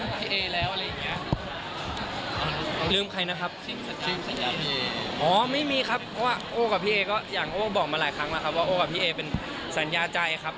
เพราะว่าโอ้กับพี่เอ๊ยก็อยากบอกมาหลายครั้งแล้วครับเพราะว่าโอ้กับพี่เอ๊ยเป็นสัญญาตรายครับ